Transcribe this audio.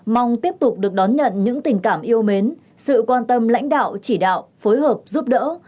mong tiếp tục được đón nhận những tình cảm yêu mến sự quan tâm lãnh đạo chỉ đạo phối hợp giúp đỡ